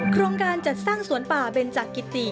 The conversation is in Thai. โครงการจัดสร้างสวนป่าเบนจักริติ